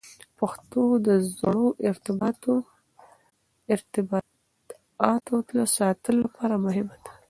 پښتو د زړو ارتباطاتو ساتلو لپاره مهمه ده.